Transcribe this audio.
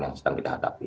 yang sedang kita hadapi